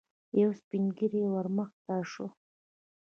يو سپين ږيری ور مخته شو.